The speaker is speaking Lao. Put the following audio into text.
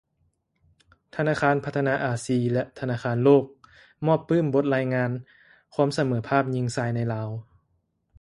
ທະນາຄານພັດທະນາອາຊີ ແລະ ທະນາຄານໂລກ ມອບປື້ມບົດລາຍງານຄວາມສະເຫມີພາບ ຍິງຊາຍໃນລາວ